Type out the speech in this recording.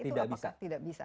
itu apa tidak bisa